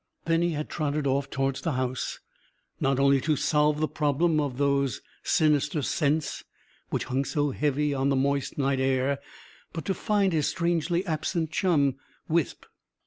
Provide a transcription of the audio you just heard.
Then he had trotted off towards the house; not only to solve the problem of these sinister scents which hung so heavy on the moist night air, but to find his strangely absent chum, Wisp.